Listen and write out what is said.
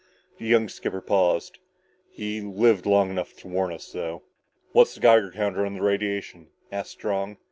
The young skipper paused. "He lived long enough to warn us, though." "What's the Geiger count on the radiation?" asked Strong.